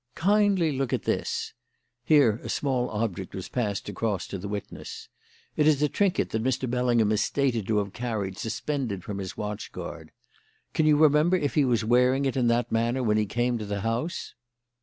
"Kindly look at this" here a small object was passed across to the witness. "It is a trinket that Mr. Bellingham is stated to have carried suspended from his watch guard. Can you remember if he was wearing it in that manner when he came to the house?"